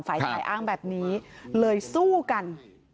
ฝ่ายชายอ้างแบบนี้เลยสู้กัน